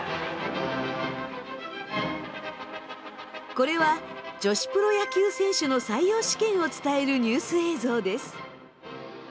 これは女子プロ野球選手の採用試験を伝えるニュース映像です。